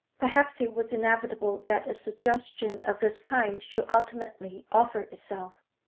Perhaps it was inevitable that a suggestion of this kind should ultimately offer itself.